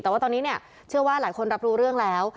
แต่ว่าตอนนี้เนี่ยเชื่อว่าหลายคนรับรู้เรื่องแล้ว